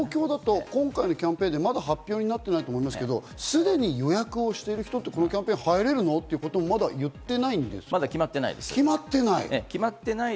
今回のキャンペーン、まだ発表になっていないんですけど、すでに予約をしている人はこのキャンペーン、入れるの？ってことをまだ言ってないんですよね。